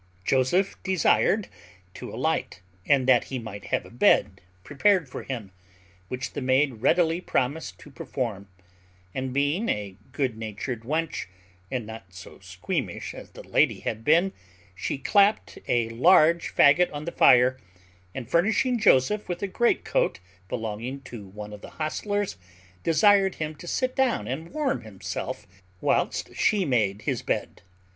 Joseph desired to alight, and that he might have a bed prepared for him, which the maid readily promised to perform; and, being a good natured wench, and not so squeamish as the lady had been, she clapt a large fagot on the fire, and, furnishing Joseph with a greatcoat belonging to one of the hostlers, desired him to sit down and warm himself whilst she made his bed.